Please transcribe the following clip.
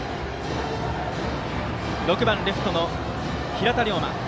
６番、レフトの平太令馬。